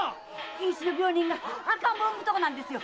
瀕死の病人が赤ん坊を産むとこなんですよ。